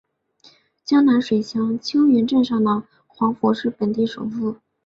江南水乡青云镇上的黄府是本地首富。